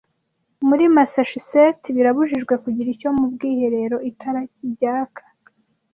Muri Massachusetts birabujijwe kugira icyo mu bwiherero Itara ryaka